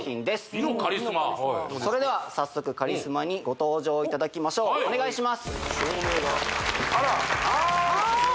美のカリスマそれでは早速カリスマにご登場いただきましょうお願いしますあらあ！